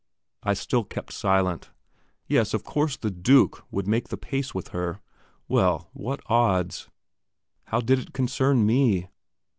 I still kept silent. Yes, of course "the Duke" would make the pace with her. Well, what odds? How did it concern me?